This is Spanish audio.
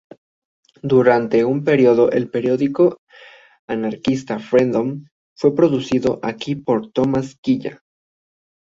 Durante un período el periódico anarquista Freedom fue producido aquí por Thomas Quilla.